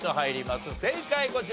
正解こちら！